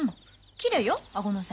きれいよ顎の線。